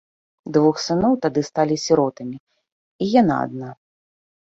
Двух сыноў тады стала сіротамі і яна адна.